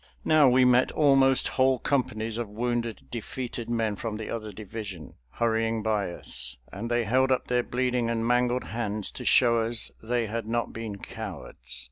Now we met almost whole companies of wounded, defeated men from the other division, hurrying by us, and they held up their bleeding and mangled hands to show us they had not been cowards.